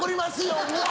うわ！